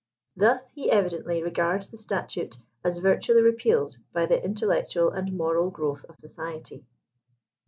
Thus he evidently regards the statute as virtually repealed by the intellectual and moral growth of Society.